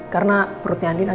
karena perutnya sudah mati